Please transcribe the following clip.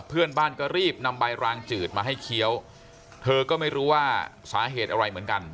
เพื่อนบ้านก็รีบนำใบรางจืดมาให้เคี้ยวเธอก็ไม่รู้ว่าสาเหตุอะไรเหมือนกัน